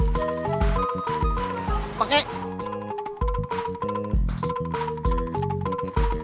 sebagai tukang tanda barang curian